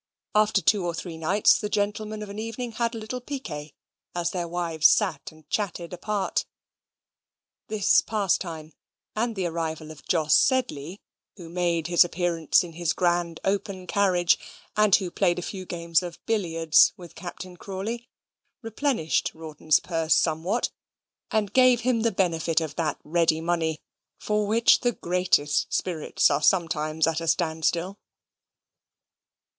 After two or three nights the gentlemen of an evening had a little piquet, as their wives sate and chatted apart. This pastime, and the arrival of Jos Sedley, who made his appearance in his grand open carriage, and who played a few games at billiards with Captain Crawley, replenished Rawdon's purse somewhat, and gave him the benefit of that ready money for which the greatest spirits are sometimes at a stand still.